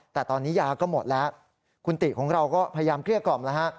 แต่ตอนนี้ยาก็หมดแล้วคุณติของเราก็พยายามเกลี้ยกล่อมแล้วฮะ